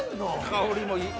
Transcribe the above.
香りもいい。